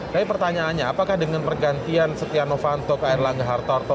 tapi pertanyaannya apakah dengan pergantian setia novanto ke erlangga hartarto